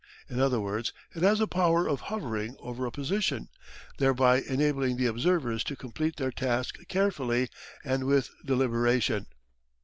In other words, it has the power of hovering over a position, thereby enabling the observers to complete their task carefully and with deliberation.